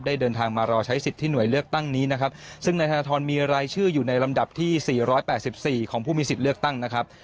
เดินทางมารอใช้สิทธิ์ที่หน่วยเลือกตั้งนี้นะครับซึ่งนายธนทรมีรายชื่ออยู่ในลำดับที่๔๘๔ของผู้มีสิทธิ์เลือกตั้งนะครับ